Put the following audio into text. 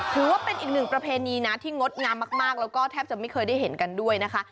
ถือว่าเป็นอีกหนึ่งประเพณีนะที่งดงามมากแล้วก็แทบจะไม่เคยได้เห็นกันด้วยนะคะ